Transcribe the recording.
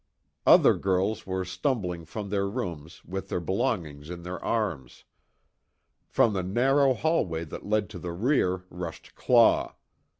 Other girls were stumbling from their rooms, with their belongings in their arms. From the narrow hallway that led to the rear rushed Claw.